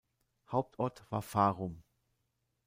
Hauptort war Farum.